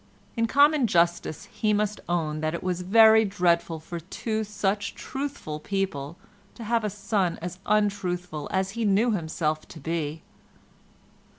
In common justice he must own that it was very dreadful for two such truthful people to have a son as untruthful as he knew himself to be.